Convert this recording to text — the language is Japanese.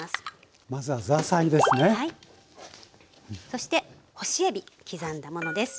そして干しえび刻んだものです。